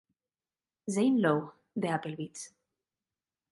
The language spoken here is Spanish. Zane Lowe de Apple Beats.